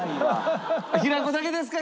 平子だけですか？